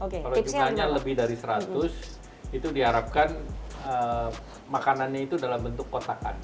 kalau jumlahnya lebih dari seratus itu diharapkan makanannya itu dalam bentuk kotakan